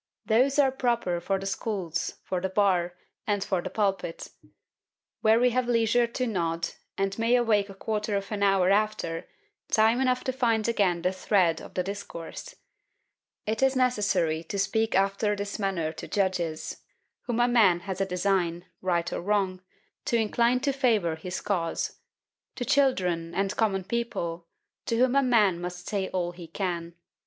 Those are proper for the schools, for the bar, and for the pulpit, where we have leisure to nod, and may awake a quarter of an hour after, time enough to find again the thread of the discourse. It is necessary to speak after this manner to judges, whom a man has a design, right or wrong, to incline to favour his cause; to children and common people, to whom a man must say all he can.